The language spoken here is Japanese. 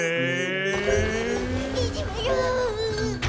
いぢめる！